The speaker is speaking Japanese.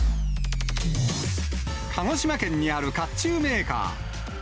鹿児島県にあるかっちゅうメーカー。